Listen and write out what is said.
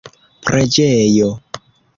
preĝejo